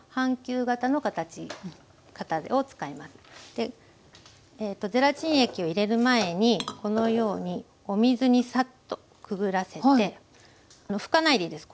でゼラチン液を入れる前にこのようにお水にサッとくぐらせて拭かないでいいです。